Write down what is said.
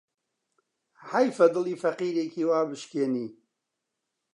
حەیفە دڵی فەقیرێکی وا بشکێنی